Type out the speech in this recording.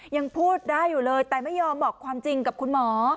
ยังพูดได้อยู่เลยแต่ไม่ยอมบอกความจริงกับคุณหมอ